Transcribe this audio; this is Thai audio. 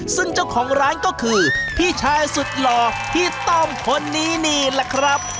ซึ่งเจ้าของร้านก็คือพี่ชายสุดหล่อพี่ต้อมคนนี้นี่แหละครับ